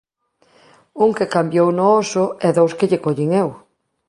Un que cambiou no Oso, e dous que lle collín eu.